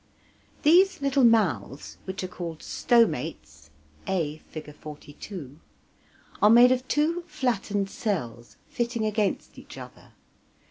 These little mouths, which are called stomates (a, Fig. 42) are made of two flattened cells, fitting against each other.